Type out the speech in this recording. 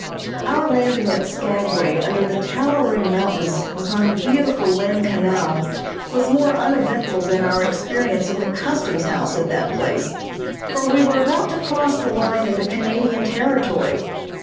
Our landing at Skagway under the towering mountains upon beautiful Lynn Canal was more uneventful than our experience in the Customs House at that place, for we were about to cross the line into Canadian territory.